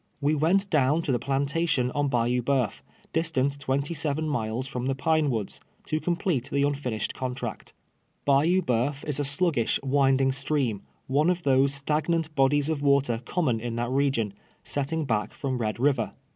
AVe went down to the i>lantation on Bayou Boeuf, distant twenty seven miles from the Pine AVoods, to complete the nntinished contract. Bayou B(,euf is a sluggish, winding stream — one of those stagnant bodies of water common in that region, setting back from Red River.